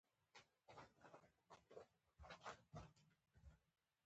د ساکني قیدونو مانا د فعل له مانا سره بدلیږي.